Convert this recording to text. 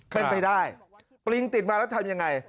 เป็นไปได้ปริงติดมาแล้วทำยังไง